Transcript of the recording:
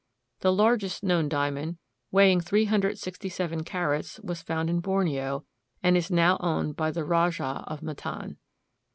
The largest known diamond, weighing three hundred sixty seven carats, was found in Borneo, and is now owned by the Rajah of Matan.